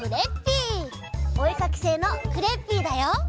おえかきせいのクレッピーだよ！